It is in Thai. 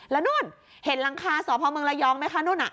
แล้วนู่นเห็นหลังคาสพเมืองระยองไหมคะนู่นน่ะ